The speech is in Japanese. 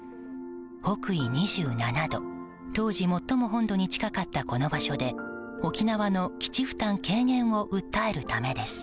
北緯２７度当時、最も本土に近かったこの場所で沖縄の基地負担軽減を訴えるためです。